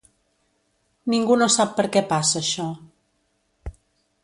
Ningú no sap per què passa això.